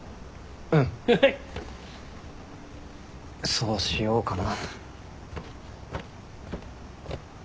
そうしようかな。